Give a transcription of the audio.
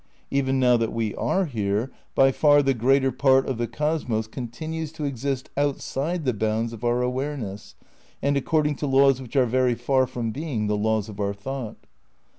Even now that we are here, by far the greater part of the cosmos continues to exist outside the bounds of our awareness and according to laws which are very far from being the laws of our thought.